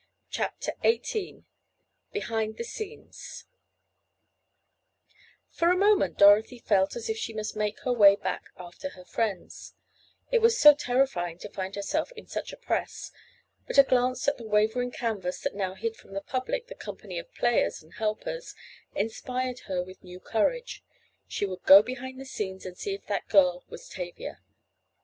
CHAPTER XVIII BEHIND THE SCENES For a moment Dorothy felt as if she must make her way back after her friends—it was so terrifying to find herself in such a press—but a glance at the wavering canvas that now hid from the public the company of players and helpers, inspired her with new courage. She would go behind the scenes and see if that girl was Tavia!